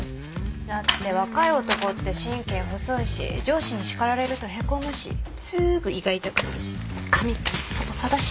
だって若い男って神経細いし上司に叱られるとへこむしすーぐ胃が痛くなるし髪ぼっさぼさだし。